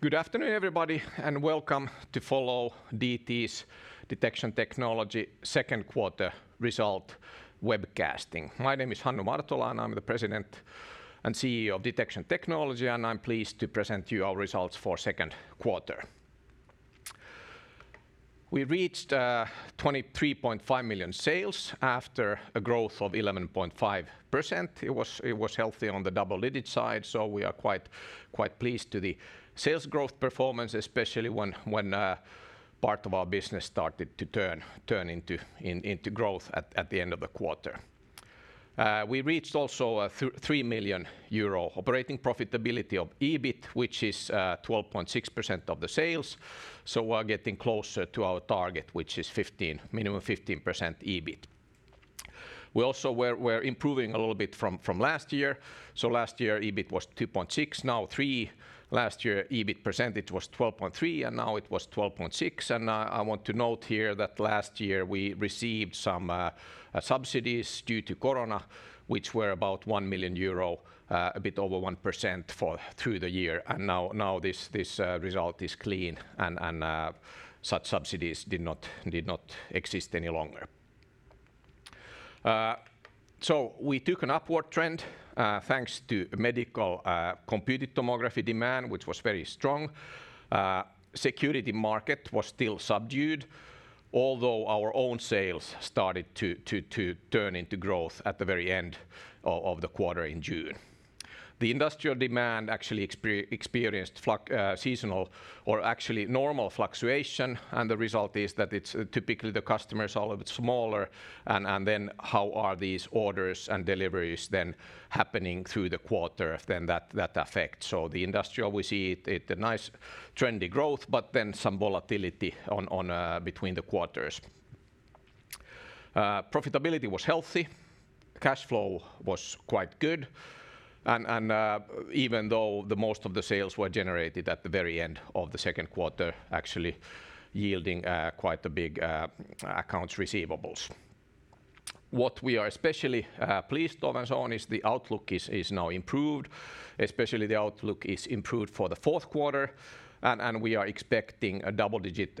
Good afternoon, everybody, welcome to follow DT's, Detection Technology, Q2 result webcasting. My name is Hannu Martola, I'm the President and CEO of Detection Technology, I'm pleased to present to you our results for Q2. We reached 23.5 million sales after a growth of 11.5%. It was healthy on the double-digit side, we are quite pleased to the sales growth performance, especially when part of our business started to turn into growth at the end of the quarter. We reached also a 3 million euro operating profitability of EBIT, which is 12.6% of the sales. We're getting closer to our target, which is minimum 15% EBIT. We also were improving a little bit from last year. Last year, EBIT was 2.6, now 3. Last year, EBIT percentage was 12.3%, now it was 12.6%. I want to note here that last year we received some subsidies due to Corona, which were about 1 million euro, a bit over 1% through the year. Now this result is clean and such subsidies did not exist any longer. We took an upward trend thanks to medical computed tomography demand, which was very strong. Security market was still subdued, although our own sales started to turn into growth at the very end of the quarter in June. The industrial demand actually experienced seasonal or actually normal fluctuation, and the result is that it's typically the customers are a little bit smaller, and then how are these orders and deliveries then happening through the quarter then that affect. The industrial, we see a nice trendy growth but then some volatility between the quarters. Profitability was healthy. Cash flow was quite good, even though the most of the sales were generated at the very end of the Q2, actually yielding quite the big accounts receivables. What we are especially pleased of and so on is the outlook is now improved, especially the outlook is improved for the Q4, we are expecting a double-digit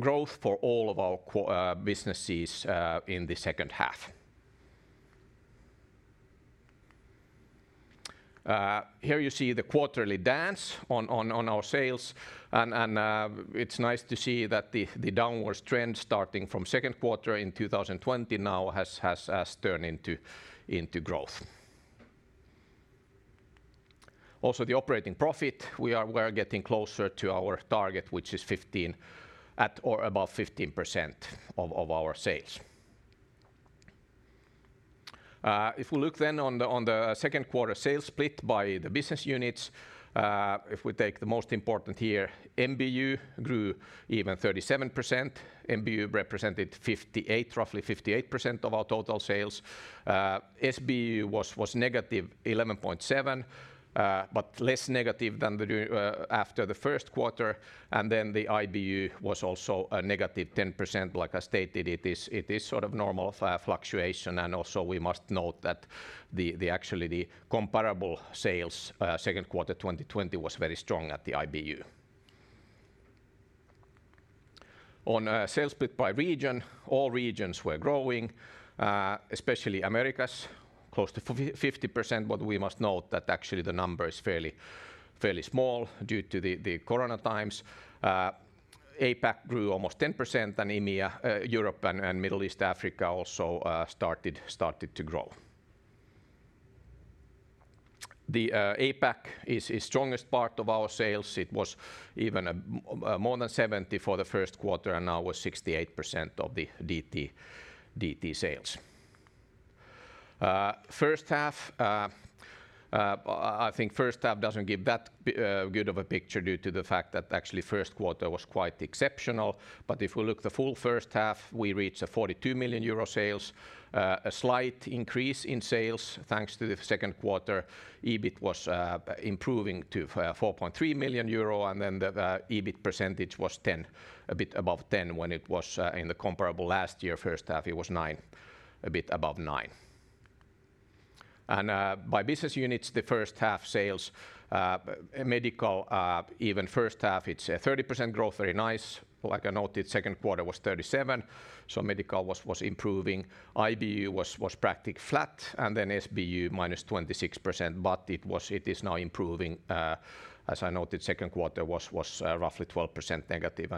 growth for all of our businesses in the H2. Here you see the quarterly dance on our sales. It's nice to see that the downwards trend starting from Q2 in 2020 now has turned into growth. Also, the operating profit, we are getting closer to our target, which is at or above 15% of our sales. If we look then on the Q2 sales split by the business units, if we take the most important here, MBU grew even 37%. MBU represented roughly 58% of our total sales. SBU was -11.7%, less negative after the Q1. The IBU was also a -10%. Like I stated, it is sort of normal fluctuation, also we must note that actually, the comparable sales Q2 2020 was very strong at the IBU. On sales split by region, all regions were growing, especially Americas, close to 50%, we must note that actually the number is fairly small due to the Corona times. APAC grew almost 10%, EMEA, Europe and Middle East, Africa also started to grow. The APAC is strongest part of our sales. It was even more than 70% for the Q1 and now was 68% of the DT sales. H1. I think H1 doesn't give that good of a picture due to the fact that actually Q1 was quite exceptional. If we look the full H1, we reached 42 million euro sales. A slight increase in sales thanks to the Q2. EBIT was improving to 4.3 million euro, the EBIT percentage was 10%, a bit above 10%. When it was in the comparable last year, H1, it was 9%, a bit above 9%. By business units, the H1 sales, Medical even H1 it's a 30% growth. Very nice. Like I noted, Q2 was 37%, Medical was improving. IBU was practically flat, SBU -26%, it is now improving. As I noted, Q2 was roughly -12% negative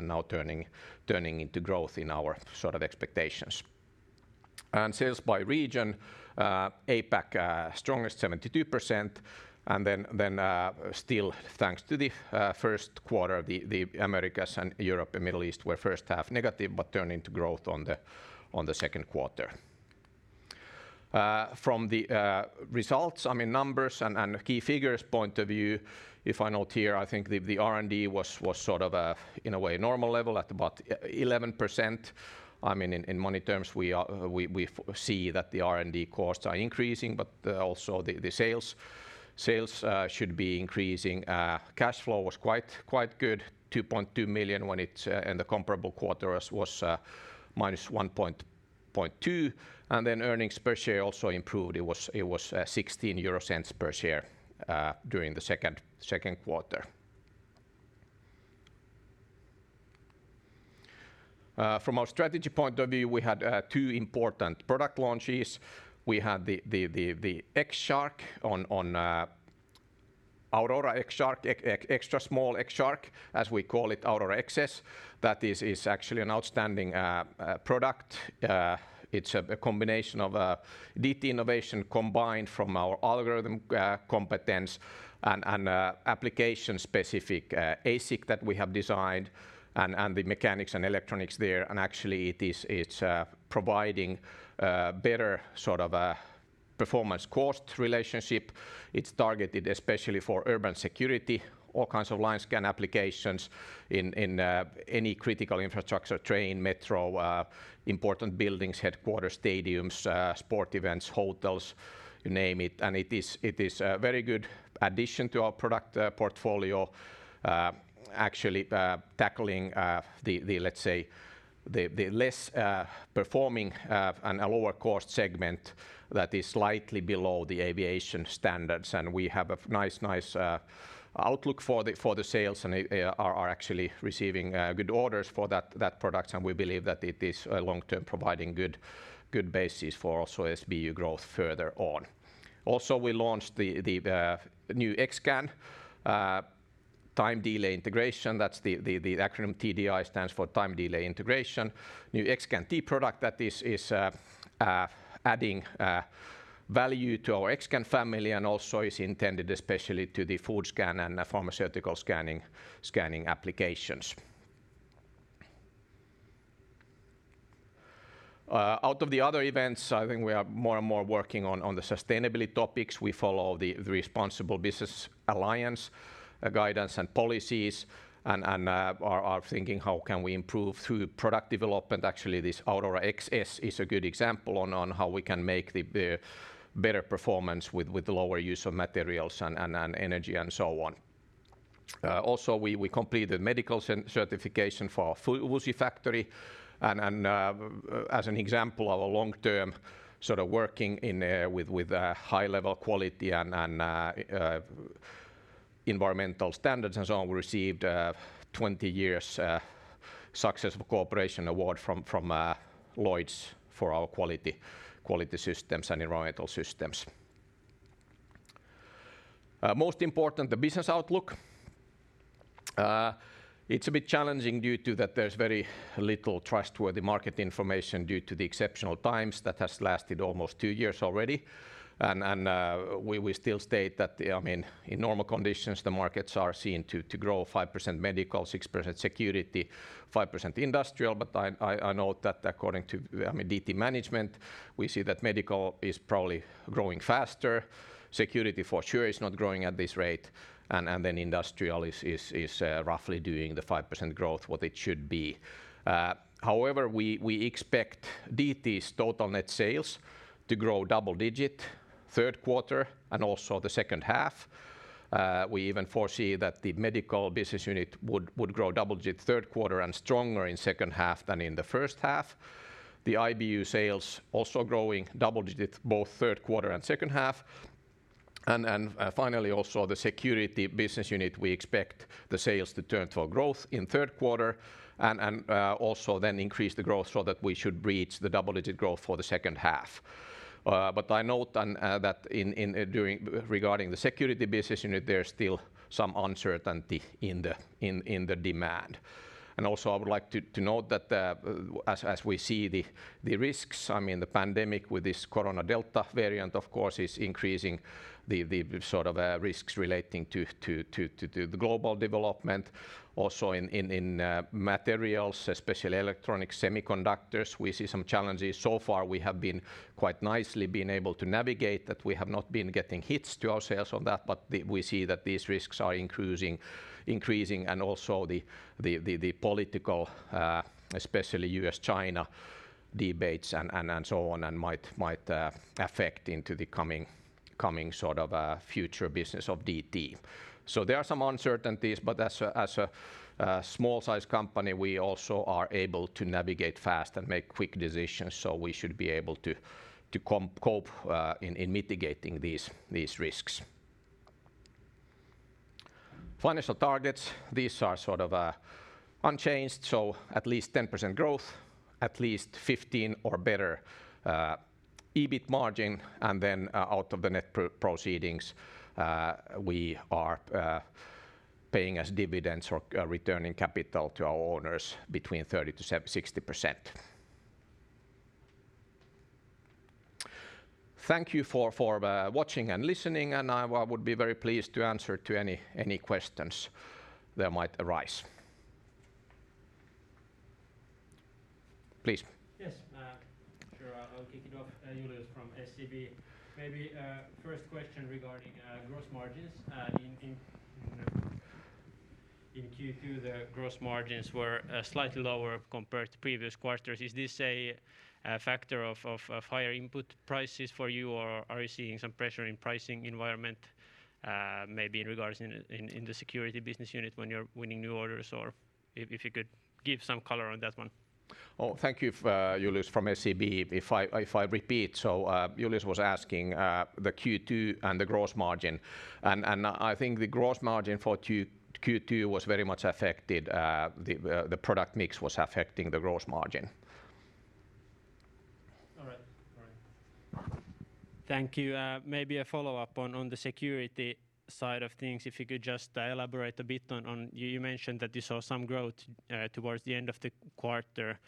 turning into growth in our sort of expectations. Sales by region, APAC strongest, 72%, then still thanks to the Q1, the Americas and Europe and Middle East were H1 negative but turned into growth on the Q2. From the results, I mean numbers and a key figures point of view, if I note here, I think the R&D was sort of in a way normal level at about 11%. In money terms, we see that the R&D costs are increasing, also the sales should be increasing. Cash flow was quite good, 2.2 million when it in the comparable quarters was -1.20, earnings per share also improved. It was 0.16 per share during the Q2. From our strategy point of view, we had two important product launches. We had the X-Shark on Aurora X-Shark, extra small X-Shark, as we call it, Aurora XS. That is actually an outstanding product. It's a combination of DT innovation combined from our algorithm competence and application-specific ASIC that we have designed and the mechanics and electronics there and actually it's providing better performance cost relationship. It's targeted especially for urban security, all kinds of line scan applications in any critical infrastructure, train, metro important buildings, headquarters, stadiums, sport events, hotels, you name it. It is a very good addition to our product portfolio actually tackling the less performing and a lower cost segment that is slightly below the aviation standards. We have a nice outlook for the sales and are actually receiving good orders for that product. We believe that it is long-term providing good basis for also SBU growth further on. Also, we launched the new X-Scan Time Delay Integration, that's the acronym TDI stands for Time Delay Integration. New X-Scan T product that is adding value to our X-Scan family and also is intended especially to the food scan and the pharmaceutical scanning applications. Out of the other events, I think we are more and more working on the sustainability topics. We follow the Responsible Business Alliance guidance and policies and are thinking how can we improve through product development. Actually, this Aurora XS is a good example on how we can make the better performance with lower use of materials and energy and so on. Also we completed medical certification for our W factory and as an example of a long-term sort of working with high level quality and environmental standards and so on. We received 20 years Successful Cooperation Award from Lloyds for our quality systems and environmental systems. Most important, the business outlook. It's a bit challenging due to that there's very little trustworthy market information due to the exceptional times that has lasted almost two years already. We still state that in normal conditions, the markets are seen to grow 5% medical, 6% security, 5% industrial. I note that according to DT management, we see that medical is probably growing faster. Security for sure is not growing at this rate. Industrial is roughly doing the 5% growth, what it should be. However, we expect DT's total net sales to grow double-digit Q3 and also the H2. We even foresee that the medical business unit would grow double-digit Q3 and stronger in H2 than in the H1. The IBU sales also growing double-digit, both Q3 and H2. Finally, also the security business unit, we expect the sales to turn to a growth in Q3 and also then increase the growth so that we should reach the double-digit growth for the H2. I note that regarding the security business unit, there's still some uncertainty in the demand. Also I would like to note that as we see the risks, the pandemic with this Corona Delta variant, of course, is increasing the sort of risks relating to the global development. Also in materials, especially electronic semiconductors, we see some challenges. So far, we have been quite nicely able to navigate that. We have not been getting hits to our sales on that, but we see that these risks are increasing and also the political especially U.S., China debates and so on, and might affect into the coming sort of future business of DT. There are some uncertainties, but as a small-size company, we also are able to navigate fast and make quick decisions. We should be able to cope in mitigating these risks. Financial targets. These are sort of unchanged, at least 10% growth, at least 15% or better EBIT margin. Out of the net proceedings we are paying as dividends or returning capital to our owners between 30%-60%. Thank you for watching and listening, I would be very pleased to answer to any questions that might arise. Please. Yes. Sure. I'll kick it off. Julius from SEB. Maybe first question regarding gross margins. In Q2, the gross margins were slightly lower compared to previous quarters. Is this a factor of higher input prices for you, or are you seeing some pressure in pricing environment maybe in regards in the security business unit when you're winning new orders? If you could give some color on that one. Thank you, Julius from SEB. If I repeat, Julius was asking about the Q2 and the gross margin. I think the gross margin for Q2 was very much affected. The product mix was affecting the gross margin. Thank you. Maybe a follow-up on the security side of things, if you could just elaborate a bit. You mentioned that you saw some growth towards the end of the quarter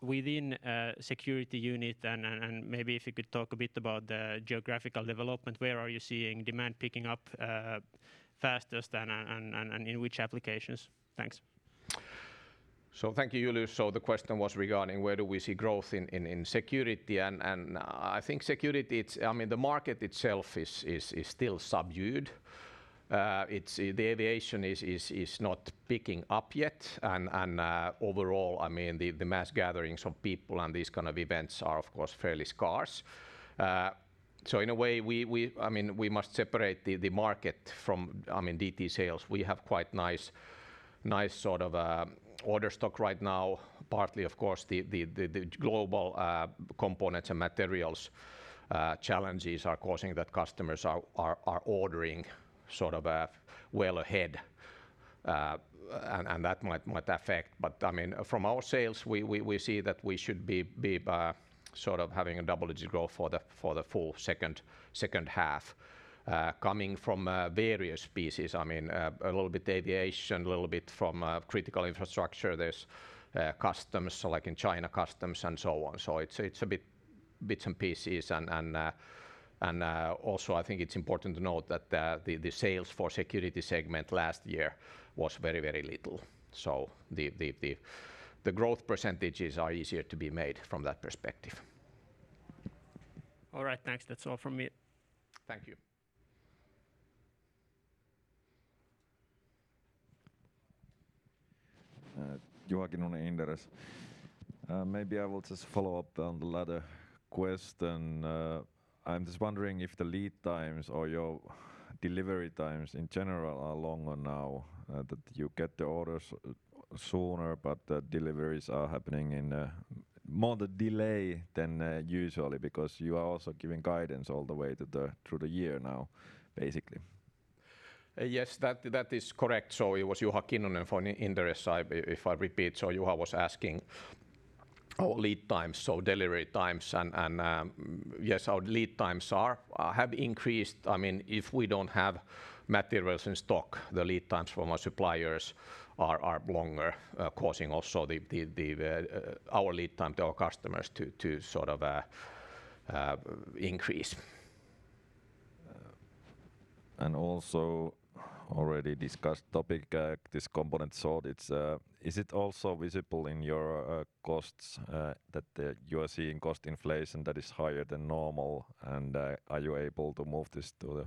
within the security unit, maybe if you could talk a bit about the geographical development. Where are you seeing demand picking up fastest and in which applications? Thanks. Thank you, Julius. The question was regarding where do we see growth in security. I think security, the market itself is still subdued. The aviation is not picking up yet, and overall, the mass gatherings of people and these kind of events are, of course, fairly scarce. In a way, we must separate the market from DT sales. We have quite nice order stock right now, partly, of course, the global components and materials challenges are causing that customers are ordering well ahead. That might affect. From our sales, we see that we should be having a double-digit growth for the full H2, coming from various pieces. A little bit aviation, a little bit from critical infrastructure. There's customs, like in China, customs and so on. It's a bit bits and pieces, and also I think it's important to note that the sales for security segment last year was very little. The growth percentages are easier to be made from that perspective. All right, thanks. That's all from me. Thank you. Juha Kinnunen, Inderes. Maybe I will just follow up on the latter question. I'm just wondering if the lead times or your delivery times in general are longer now that you get the orders sooner, but the deliveries are happening in more the delay than usually because you are also giving guidance all the way through the year now, basically? Yes, that is correct. It was Juha Kinnunen from Inderes. If I repeat, Juha was asking our lead times, so delivery times, and yes, our lead times have increased. If we don't have materials in stock, the lead times from our suppliers are longer, causing also our lead time to our customers to increase. Also, already discussed topic, this component shortage, is it also visible in your costs that you are seeing cost inflation that is higher than normal, and are you able to move this to the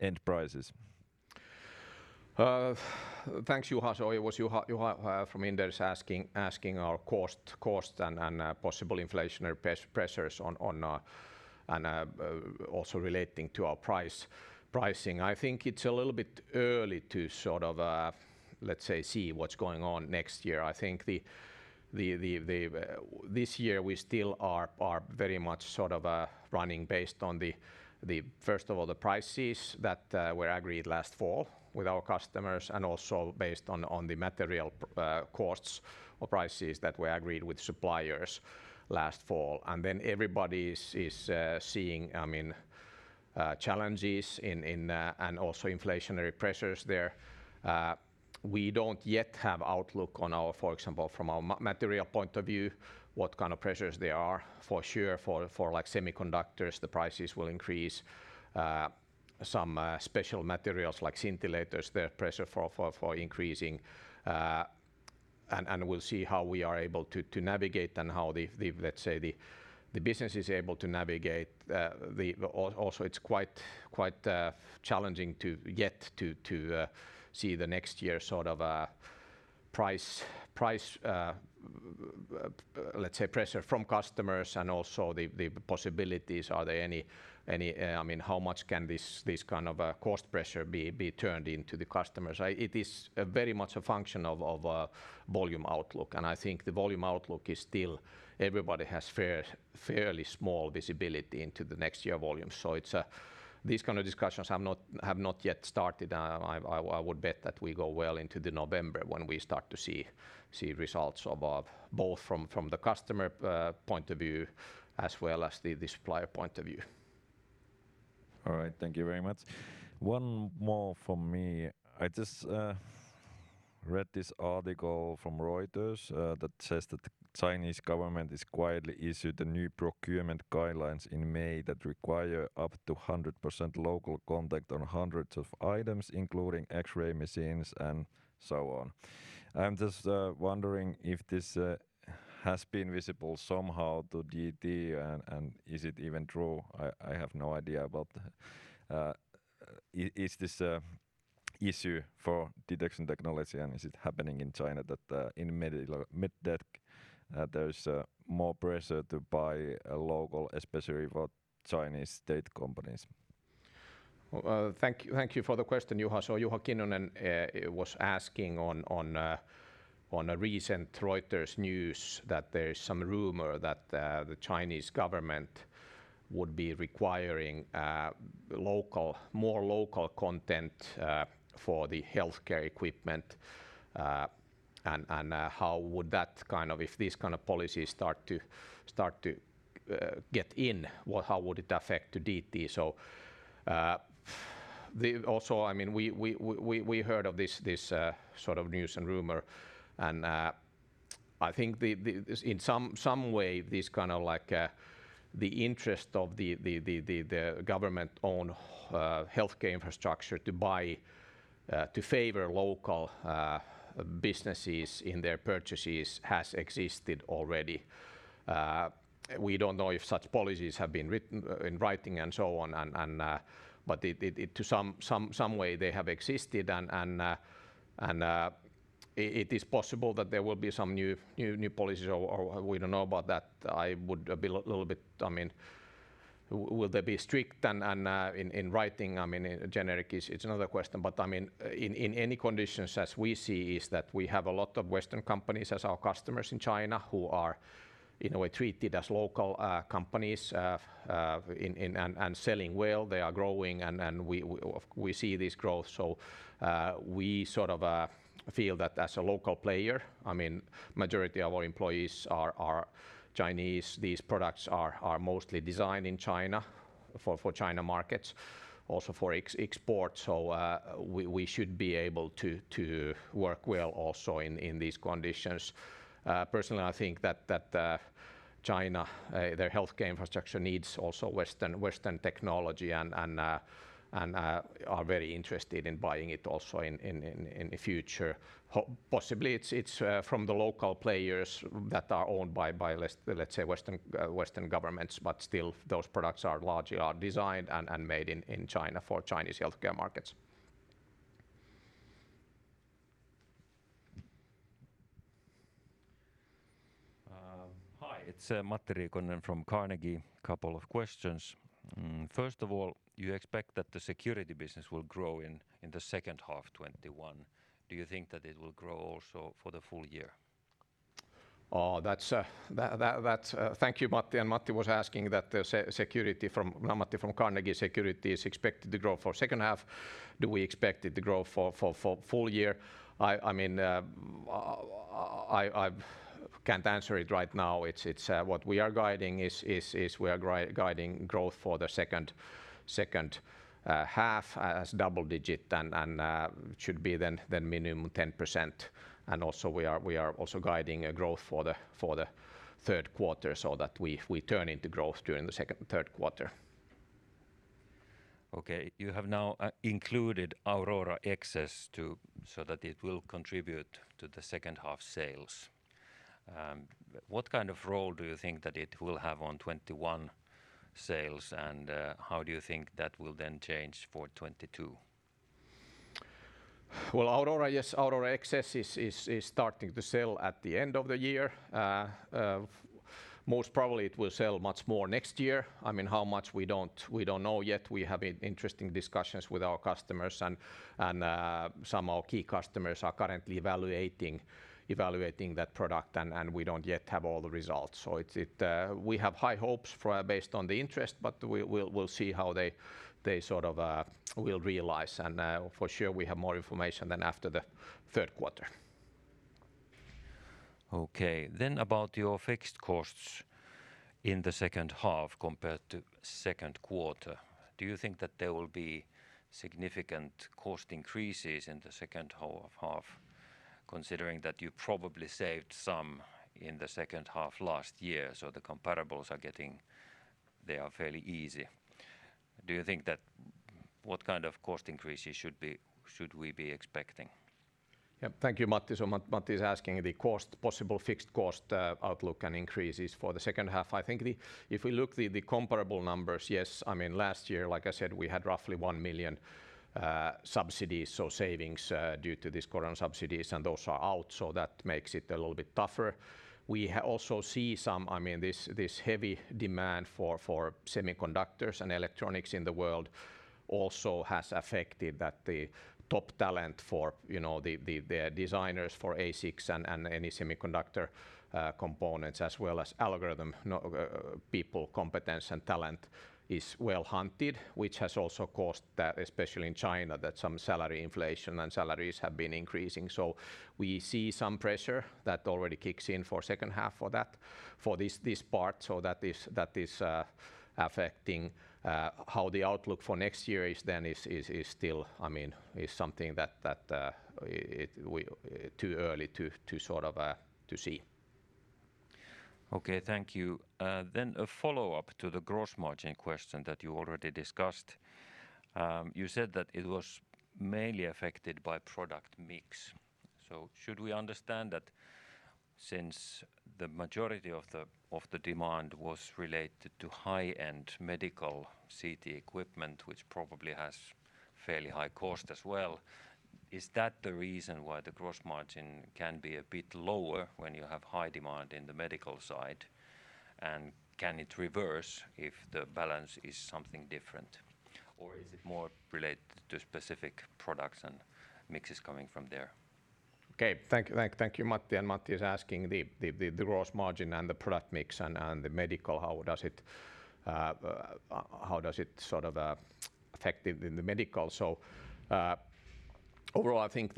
end prices? Thanks, Juha. It was Juha from Inderes asking our cost and possible inflationary pressures and also relating to our pricing. I think it's a little bit early to, let's say, see what's going on next year. I think this year we still are very much running based on, first of all, the prices that were agreed last fall with our customers and also based on the material costs or prices that were agreed with suppliers last fall. And then everybody is seeing challenges and also inflationary pressures there. We don't yet have outlook on our, for example, from our material point of view, what kind of pressures there are. For sure for semiconductors, the prices will increase. Some special materials like scintillators, their pressure for increasing, and we'll see how we are able to navigate and how, let's say, the business is able to navigate. It's quite challenging to get to see the next year's price, let's say, pressure from customers and also the possibilities. How much can this kind of cost pressure be turned into the customers? It is very much a function of volume outlook, and I think the volume outlook is still everybody has fairly small visibility into the next year volume. These kind of discussions have not yet started. I would bet that we go well into November when we start to see results both from the customer point of view as well as the supplier point of view. All right. Thank you very much. One more from me. I just read this article from Reuters that says that the Chinese government has quietly issued new procurement guidelines in May that require up to 100% local content on hundreds of items, including X-ray machines and so on. I'm just wondering if this has been visible somehow to DT, and is it even true? I have no idea about that. Is this an issue for Detection Technology, and is it happening in China that in medtech there's more pressure to buy local, especially for Chinese state companies? Thank you for the question, Juha. Juha Kinnunen was asking on a recent Reuters news that there is some rumor that the Chinese government would be requiring more local content for the healthcare equipment, and if this kind of policy start to get in, how would it affect DT? We heard of this news and rumor, and I think in some way, the interest of the government-owned healthcare infrastructure to favor local businesses in their purchases has existed already. We don't know if such policies have been in writing and so on, but in some way, they have existed, and it is possible that there will be some new policies or we don't know about that. Will they be strict and in writing? In a generic case, it's another question, but in any conditions, as we see is that we have a lot of Western companies as our customers in China who are in a way treated as local companies and selling well. They are growing, and we see this growth. We sort of feel that as a local player, majority of our employees are Chinese. These products are mostly designed in China for China markets, also for export, so we should be able to work well also in these conditions. Personally, I think that China, their healthcare infrastructure needs also Western technology and are very interested in buying it also in the future. Possibly it's from the local players that are owned by, let's say, Western governments, but still, those products are largely are designed and made in China for Chinese healthcare markets. Hi, it's Matti Rikkonen from Carnegie. Couple of questions. First of all, you expect that the security business will grow in the H2 2021. Do you think that it will grow also for the full-year? Thank you, Matti. Matti from Carnegie was asking, security is expected to grow for H2. Do we expect it to grow for full-year? I can't answer it right now. What we are guiding is we are guiding growth for the H2 as double-digit and should be then minimum 10%. Also, we are also guiding a growth for the Q3 so that we turn into growth during the Q3. Okay. You have now included Aurora XS so that it will contribute to the H2 sales. What kind of role do you think that it will have on 2021 sales, and how do you think that will then change for 2022? Yes, Aurora XS is starting to sell at the end of the year. Most probably it will sell much more next year. How much? We don't know yet. We have interesting discussions with our customers, and some of our key customers are currently evaluating that product, and we don't yet have all the results. We have high hopes based on the interest, but we'll see how they will realize. For sure, we have more information than after the Q3. Okay. About your fixed costs in the H2 compared to Q2. Do you think that there will be significant cost increases in the H2, considering that you probably saved some in the H2 last year, so the comparables are getting fairly easy? What kind of cost increases should we be expecting? Thank you, Matti. Matti is asking the possible fixed cost outlook and increases for the H2. I think if we look the comparable numbers, yes. Last year, like I said, we had roughly 1 million subsidies, so savings due to these current subsidies, and those are out, so that makes it a little bit tougher. We also see this heavy demand for semiconductors and electronics in the world also has affected the top talent for the designers for ASICs and any semiconductor components as well as algorithm people, competence, and talent is well hunted, which has also caused that, especially in China, that some salary inflation and salaries have been increasing. We see some pressure that already kicks in for H2 for this part. That is affecting how the outlook for next year is still something that is too early to see. Okay. Thank you. A follow-up to the gross margin question that you already discussed. You said that it was mainly affected by product mix. Should we understand that since the majority of the demand was related to high-end medical CT equipment, which probably has fairly high cost as well? Is that the reason why the gross margin can be a bit lower when you have high demand in the medical side? Can it reverse if the balance is something different? Is it more related to specific products and mixes coming from there? Okay. Thank you, Matti. Matti is asking the gross margin and the product mix and the medical, how does it affect it in the medical? Overall, I think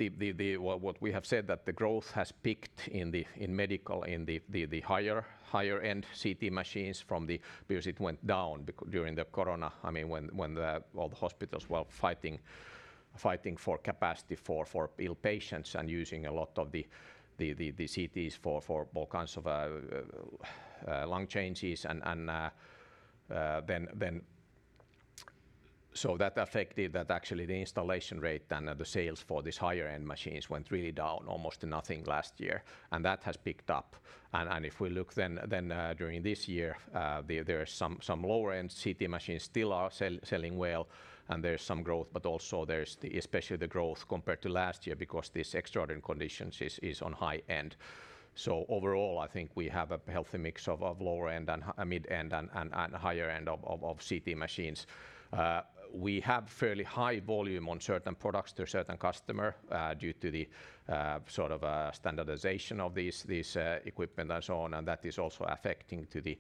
what we have said that the growth has peaked in medical, in the higher-end CT machines because it went down during the Corona. When all the hospitals were fighting for capacity for ill patients and using a lot of the CTs for all kinds of lung changes. That affected that actually the installation rate and the sales for these higher-end machines went really down, almost nothing last year. That has picked up. If we look then during this year, there are some lower-end CT machines still are selling well, and there's some growth, but also there's especially the growth compared to last year because this extraordinary conditions is on high end. Overall, I think we have a healthy mix of lower end and mid end and higher end of CT machines. We have fairly high volume on certain products to a certain customer due to the standardization of this equipment and so on. That is also affecting to the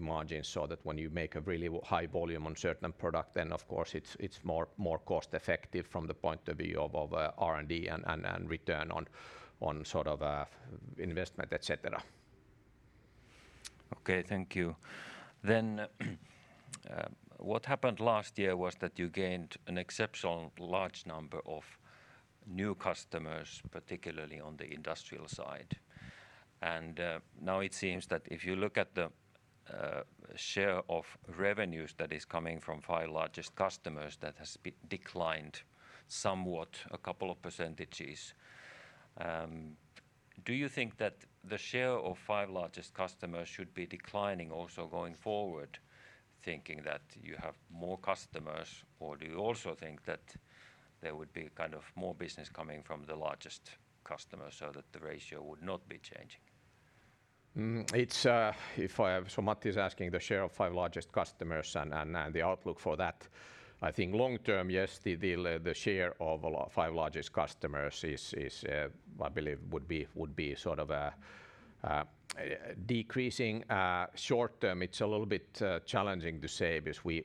margin, so that when you make a really high volume on certain product, then of course it's more cost effective from the point of view of R&D and return on investment, et cetera. Okay, thank you. What happened last year was that you gained an exceptional large number of new customers, particularly on the industrial side. Now it seems that if you look at the share of revenues that is coming from five largest customers, that has declined somewhat a couple of percentages. Do you think that the share of five largest customers should be declining also going forward, thinking that you have more customers, or do you also think that there would be more business coming from the largest customers so that the ratio would not be changing? Matti is asking the share of five largest customers and the outlook for that. I think long term, yes, the share of five largest customers I believe would be decreasing. Short term, it's a little bit challenging to say because we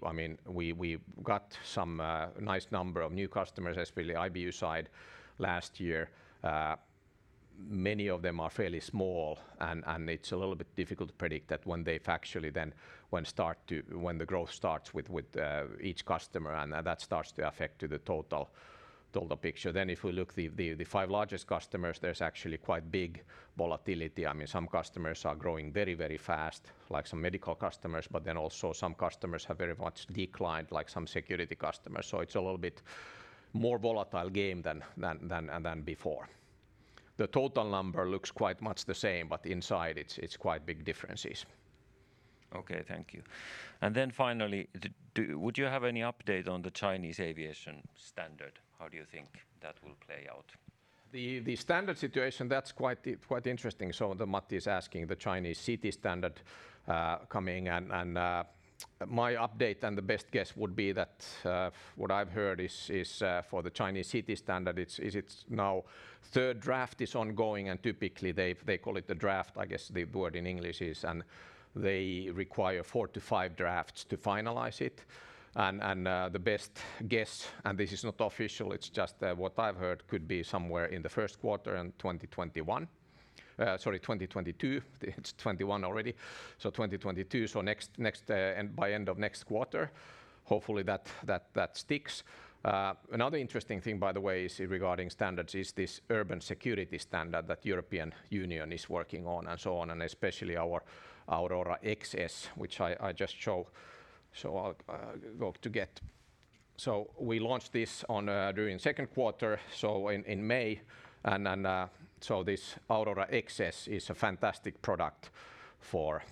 got some nice number of new customers, especially the IBU side last year. Many of them are fairly small, and it's a little bit difficult to predict that when they've actually when the growth starts with each customer, and that starts to affect the total picture. If we look the five largest customers, there's actually quite big volatility. Some customers are growing very fast, like some medical customers, but then also some customers have very much declined, like some security customers. It's a little bit more volatile game than before. The total number looks quite much the same, but inside it's quite big differences. Okay, thank you. Finally, would you have any update on the Chinese aviation standard? How do you think that will play out? The standard situation, that's quite interesting. Matti is asking the Chinese CT standard coming and my update and the best guess would be that what I've heard is for the Chinese CT standard, its now third draft is ongoing, and typically they call it the draft, I guess the word in English is, and they require four to five drafts to finalize it. The best guess, and this is not official, it's just what I've heard, could be somewhere in the Q1 in 2021. Sorry, 2022. It's 2021 already. 2022, so by end of next quarter, hopefully that sticks. Another interesting thing, by the way, regarding standards is this urban security standard that European Union is working on and so on, and especially our Aurora XS, which I just show. I'll go to get. We launched this during Q2, so in May. This Aurora XS is a fantastic product for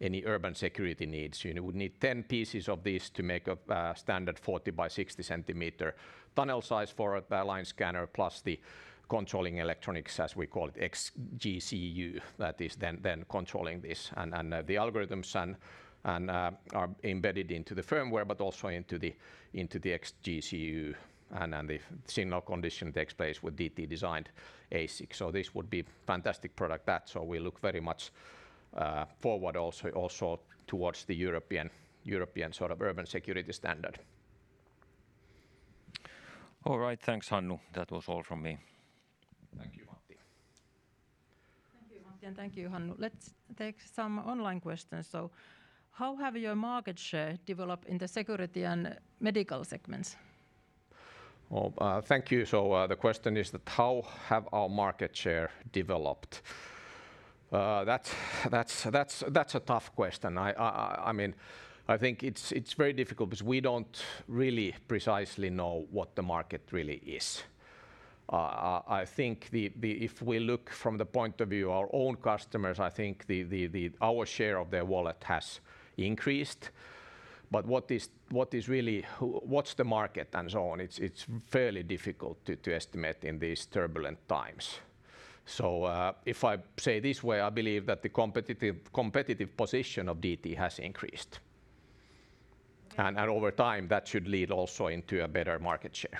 any urban security needs. You would need 10 pieces of this to make a standard 40 by 60 cm tunnel size for a line scanner, plus the controlling electronics, as we call it, X-GCU, that is then controlling this. The algorithms are embedded into the firmware, but also into the X-GCU and the signal condition takes place with DT designed ASIC. This would be fantastic product that, we look very much forward also towards the European urban security standard. All right, thanks, Hannu. That was all from me. Thank you, Matti. Thank you, Matti, and thank you, Hannu. Let's take some online questions. How have your market share developed in the security and medical segments? Thank you. The question is that how have our market share developed? That's a tough question. I think it's very difficult because we don't really precisely know what the market really is. I think if we look from the point of view our own customers, I think our share of their wallet has increased. What's the market and so on, it's fairly difficult to estimate in these turbulent times. If I say it this way, I believe that the competitive position of DT has increased. Over time, that should lead also into a better market share.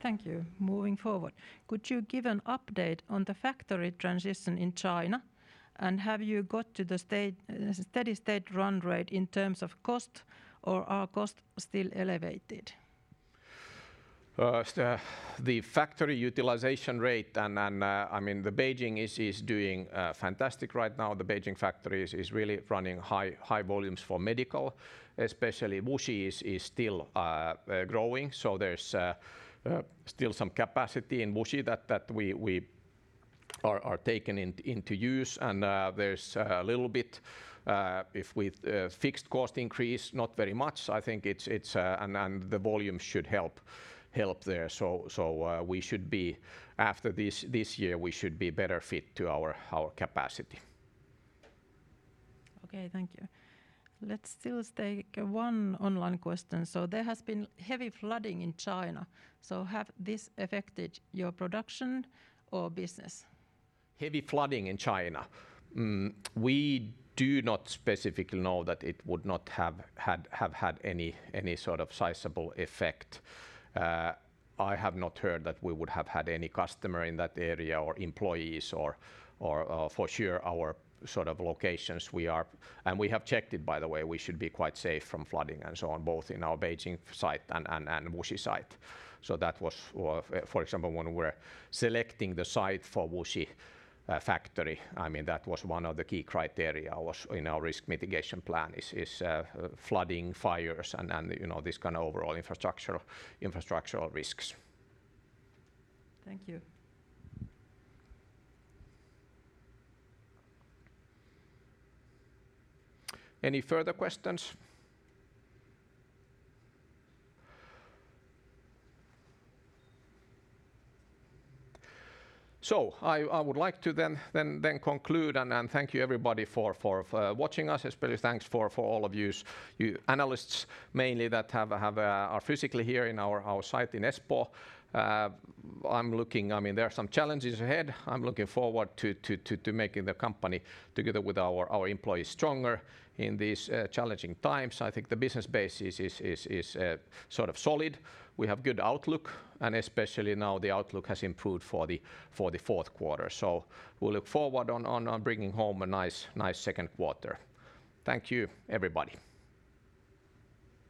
Thank you. Moving forward, could you give an update on the factory transition in China? Have you got to the steady state run rate in terms of cost, or are costs still elevated? The factory utilization rate, and the Beijing is doing fantastic right now. The Beijing factory is really running high volumes for medical, especially Wuxi is still growing. There's still some capacity in Wuxi that we are taking into use, and there's a little bit with fixed cost increase, not very much. I think the volume should help there. We should be, after this year, we should be better fit to our capacity. Okay, thank you. Let's still take one online question. There has been heavy flooding in China, so has this affected your production or business? Heavy flooding in China. We do not specifically know that it would not have had any sort of sizable effect. I have not heard that we would have had any customer in that area or employees or for sure our locations. We have checked it, by the way, we should be quite safe from flooding and so on, both in our Beijing site and Wuxi site. That was, for example, when we were selecting the site for Wuxi factory, that was one of the key criteria in our risk mitigation plan is flooding, fires, and these kind of overall infrastructural risks. Thank you. Any further questions? I would like to then conclude and thank you everybody for watching us, especially thanks for all of you analysts mainly that are physically here in our site in Espoo. There are some challenges ahead. I'm looking forward to making the company together with our employees stronger in these challenging times. I think the business base is sort of solid. We have good outlook, and especially now the outlook has improved for the Q4. We'll look forward on bringing home a nice Q2. Thank you, everybody.